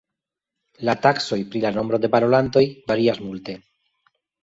La taksoj pri la nombro de parolantoj varias multe.